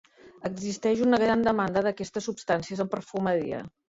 Existeix una gran demanda d'aquestes substàncies en perfumeria.